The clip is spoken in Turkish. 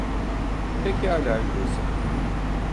Pekala öyleyse.